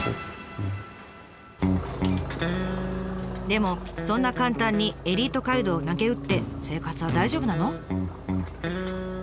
でもそんな簡単にエリート街道をなげうって生活は大丈夫なの？